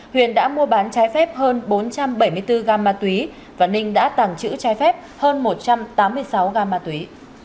huyền đã mua bán trái phép hơn bốn trăm bảy mươi bốn gam ma túy và ninh đã tàng trữ trái phép hơn một trăm tám mươi sáu gam ma túy